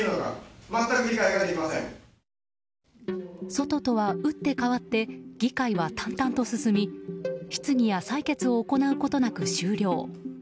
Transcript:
外とは打って変わって議会は淡々と進み質疑や採決を行うことなく終了。